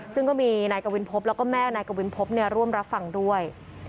ซึ่งก็มีนายกวินพบแล้วก็แม่นายกวินพบร่วมรับฟังด้วย